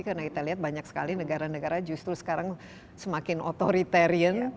karena kita lihat banyak sekali negara negara justru sekarang semakin otoritarian